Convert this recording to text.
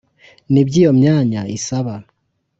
ni byo iyo myanya isaba,